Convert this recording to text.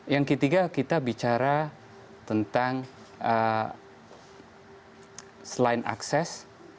yang ketiga kita bicara tentang selain akses